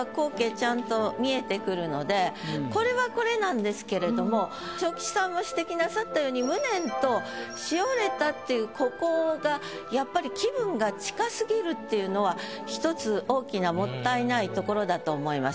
のでこれはこれなんですけれども昇吉さんも指摘なさったように「無念」と「しおれた」っていうここがやっぱり。っていうのは１つ大きなもったいないところだと思います。